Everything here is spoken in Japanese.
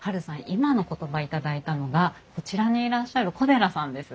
今の言葉頂いたのがこちらにいらっしゃる小寺さんです。